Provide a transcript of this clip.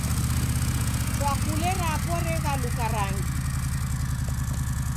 Chwakule rapo reghaluka rangi.